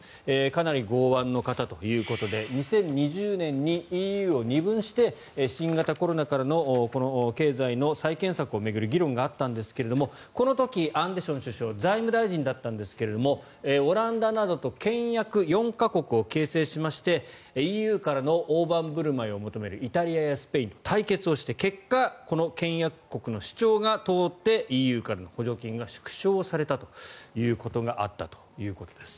かなり剛腕の方ということで２０２０年にＥＵを二分して新型コロナからの経済の再建策を巡る議論があったんですがこの時、アンデション首相財務大臣だったんですがオランダなどと倹約４か国を形成しましてＥＵからの大盤振る舞いを求めるイタリアやスペインと対決をして結果、この倹約国の主張が通ってＥＵからの補助金が縮小されたということがあったということです。